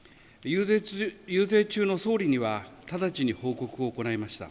遊説中の総理には直ちに報告を行いました。